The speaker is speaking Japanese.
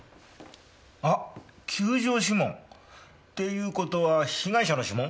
あっ弓状指紋！っていうことは被害者の指紋？